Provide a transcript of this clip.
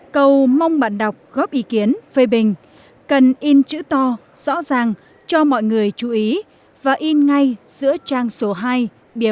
cầu mong bạn đọc góp ý kiến phê bình cần in chữ to rõ ràng cho mọi người chú ý và in ngay giữa trang số hai b ba